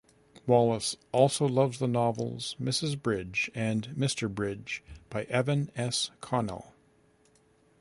Wallace also loves the novels "Mrs. Bridge" and "Mr Bridge" by Evan S. Connell.